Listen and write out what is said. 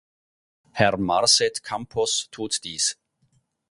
Herr Marset Campos tut dies.